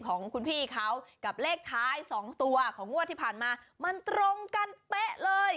ของคุณพี่เขากับเลขท้าย๒ตัวของงวดที่ผ่านมามันตรงกันเป๊ะเลย